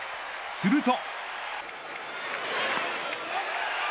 すると。